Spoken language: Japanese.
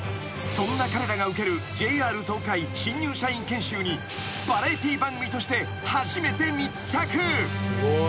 ［そんな彼らが受けるＪＲ東海新入社員研修にバラエティー番組として初めて密着］